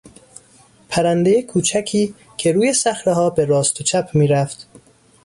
پرندهی کوچکی که روی صخرهها به راست و چپ میرفت.